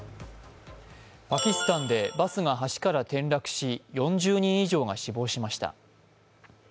パキスタンでバスが橋から転落し、４０人以上が死亡しました。